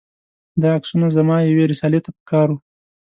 دا عکسونه زما یوې رسالې ته په کار و.